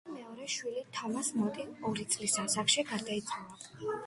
მათი მეორე შვილი, თომას მოტი ორი წლის ასაკში გარდაიცვალა.